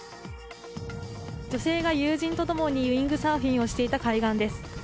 女性が友人と共にウィングサーフィンをしていた海岸です。